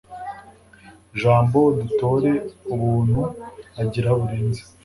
jambo, dutore ubuntu agira burenze